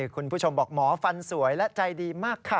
คุณผู้ชมบอกหมอฟันสวยและใจดีมากค่ะ